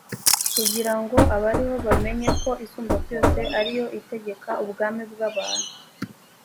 kugira ngo abariho bamenye ko isumbabyose ari yo itegeka ubwami bw abantu